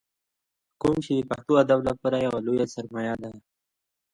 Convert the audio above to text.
کوم چې پښتو ادب دپاره يوه لويه سرمايه ده ۔